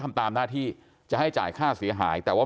แต่ว่าวินนิสัยดุเสียงดังอะไรเป็นเรื่องปกติอยู่แล้วครับ